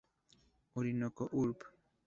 Orinoco, Urb.